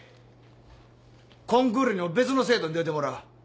コンクールにも別の生徒に出てもらう。